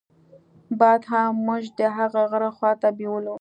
باد هم موږ د هغه غره خواته بېولو.